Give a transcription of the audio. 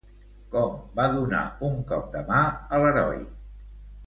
Com va donar un cop de mà a l'heroi?